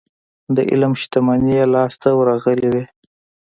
د علم شتمني يې لاسته ورغلې وي.